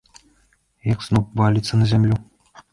Як сноп валіцца на зямлю.